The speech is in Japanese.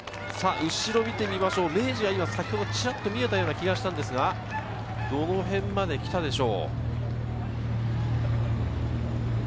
後ろを見てみましょう、明治は先ほどチラッと見えたような気がしたんですが、どの辺まで来たでしょう？